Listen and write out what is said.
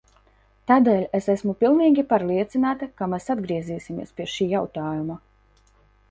Tādēļ es esmu pilnīgi pārliecināta, ka mēs atgriezīsimies pie šī jautājuma.